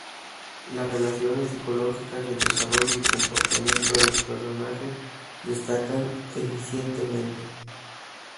Las relaciones psicológicas y el desarrollo y comportamiento de los personajes destacan eficientemente.